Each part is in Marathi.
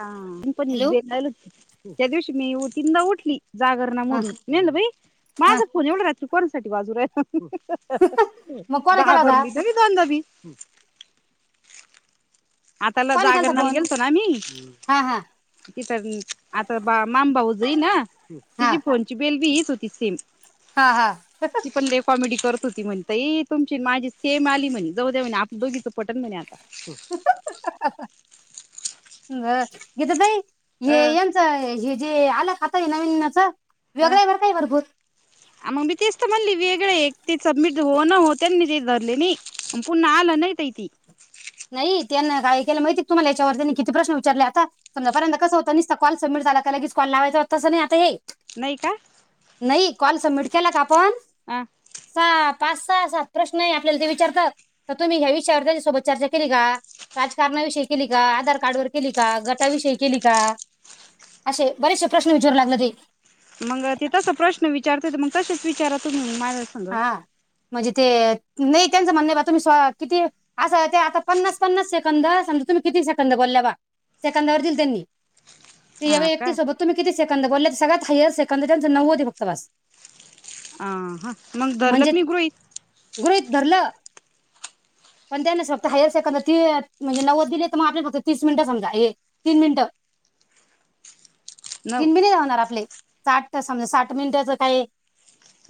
हा तु पण हॅलो [unintelligible] त्या दिवशी मी उत्तिंदा उठली. जागरणा हा मधून नेलं बै माझ हा फोन एवढा रा [unintelligible] कोण साठी बाजू रे [unintelligible] मग कोण केला होता घाभरली [unintelligible] [unintelligible] आताला कोण केलता जागरणा फोन गेलतो ना आम्ही हा हा तिथ आता बा मामबाऊ जाई ना हा तिची फोनची बेल बी. सुती सिम हा हा ती पण ते कॉमेडी करत. होती म्हणतय तुमची न माझी सेम आली म्हणे जाऊदे म्हण आपलं दोघीचं पटण म्हणे आता [unintelligible] [unintelligible] ह गीता ताई. हे अ यांचं हे जे आलं खात. [unintelligible] वेगळ वर काय भरपूर आ मग मी तेस्त मली वेगळे ते सबमिट होन होते ते धरले म मग पुन्हा आल न ताई नाही त्यांना काय केलं माहितीय तुमा ला याच्यावर त्यांनी किती प्रश्न विचारले आता समजार्यंत कसं कॉल सबमिट झाला. का लगेच कॉल लावायचा होता. तं नाही आता ए नई का. नै कॉल सबमिट केला का? पण साप पाच सहा सात प्रश्न हि ते आपल्याला ते विचार तो का तुम्ही ह्या विषयावर त्याच्यासोबत चर्चा केली का राजकारणाविषयी केली का? आधार कार्ड व केली का? गटाविषयी केली का? असे बरेचसे प्रश्न विचारू लागले ते. मग ते तसा प्रश्न विचारते मग तसेच विचारा तुम्ही माझ्या संग हा म्हजे ते नाही त्यांचं म्हणण बा तुम्ही किती असं ते आता पन्नास पन्नास सेकंद समजा तुम्ही किती सेकंद बोलल्या बा सेकंदावर दिल. त्यांनी ते हा यावे का? एकती सोबत तुम्ही किती? सेकंद बोलल्यात सगळ्यात हायर सेकंद त्याचं नव्वद हाय तफक्त बास. हां हा. मग धरलक नि गृहित. गृहित धरलं पण त्यांना फक्त हायर सेकड म्हणजे नव्वद दिली. तर मग आप फक्त तीस मिनिट समजा हे तीन मिनिट न तनबिने ला होणार आपले साठ त म्हजे साठ मिनिटाचं काय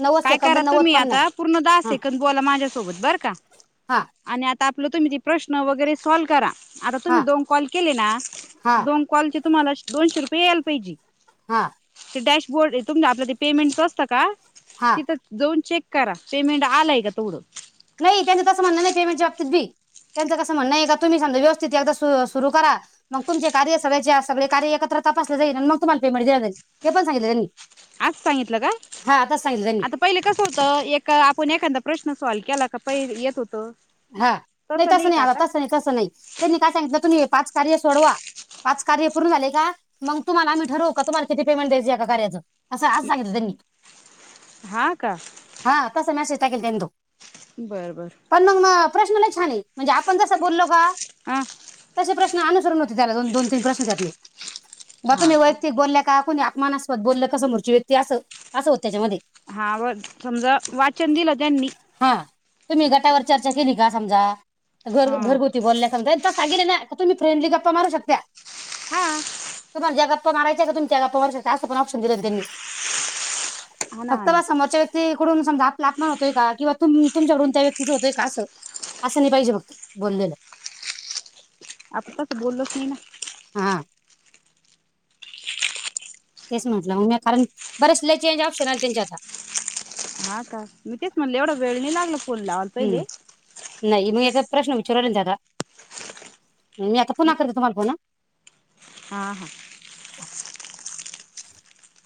न काय करा तुम्ही आता पूर्ण दहा सेकंद बोला माझ्यासोबत बरं का. हा आणि आपलं तुम्ही ते प्रश्न वगैरे सॉल्व करा. आता हा तुम्ही दोन कॉल केले ना हा दोन कॉल चे तुम्हाला दोनशे रुपये याल पाहिजे. हा. डॅशबोर्ड आहे तुमच आपलं ते पेमेंटच असतं का. हा तिथं दोन चेक. करा पेमेंट आलाय का तवडं नाही त्यांच तसं म्हण नाही पेमेंटच्या बाबतीत बी त्यांचं कस म्हण आहे का तुम्ही समजा व्यवस्थितती एक सुरु करा मग तुमचे कार्य सगळ्या सगळे कार्य एकत्र तपासले जाईल आणि मग तुम्हाला पेमेंट दिलं जाईल ते पण सांगितले त्यांनी आज सांगितलं काय हा तसं सांगितलं त्यांनी आता पहिले कस होतं एक आपण एखादा प्रश्न सॉल् केला. पयल येत होतं. हा नाही तसं तस नाही का आला आता? तस नाही तसं नाही त्यांनी काय सांगितलं तुम्ही हे पाच कार्य सोडवा पाच कार्य पूर्ण झालेय का. मग तुम्हाला आम्ही ठरवू का तुम्हाला किती पेमेंट द्यायच एका कार्याचं. असं असं सगितलं त्यांनी. हा का हा तसा मेसेज. ल तु [unintelligible] बर बर. मग प्रश्न लई छान म्हणजे आपण जसं बोललो का हा. तसे प्रश्न अनुसरून होते त्या दोन दोन तीन त्यातले. म हा तुमी का वैयक्तिक बोलल्या का कूनी मानास्वत बोललं क समोरची व्यक्ती असं असं होत त्याच्यामध्ये हा व समजा वाचन दिलं त्यांनी? क निघा समजा. घर हा घरगुती बोलण्या सांगत्यात. सांगले ना का तुम्ही फ्रेंडली गप्पा मारू शकता. हा हा तुम्हाला ज्या गप्पा मारायच्याय का तुमही त्या गप्पा मारू शकता. असं पण ऑप्शन दिलं ना त्यांनी. ना हा फक्त बा ना समोरच्या व्यक्तीकडून. समजा आपला आपमान होतोय का किंवा तुमच्या कडून त्या व्यक्तीचा होतोय का. असं असं नाही पाहिजे फक्त बोललेलं. आपण तस बोललोच नाही ना. हा. तेच म्हटलं मग कारण बरेच लई चेंज ऑप्शन आले त्यांच्ये आता. हा का मी तेच म्हणले एवढा वेळ नि लागला. फोन लावायला पहिले हम्म नाही मेजत. प्रश्न विचाराले जादा मी आता पुना करते तुम्हाला फोन हा. हा हा. [inaudible]